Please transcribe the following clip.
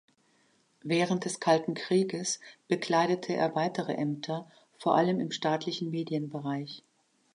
Während des Kalten Krieges bekleidete er weitere Ämter, vor allem im staatlichen Medienbereich.